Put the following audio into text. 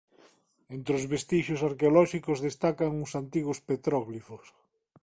Entre os vestixios arqueolóxicos destacan uns antigos petróglifos.